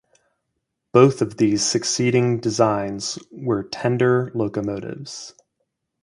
Both of these succeeding designs were tender locomotives.